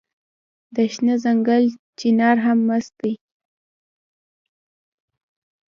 د شنه ځنګل چنار هم مست دی